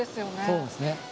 そうですね。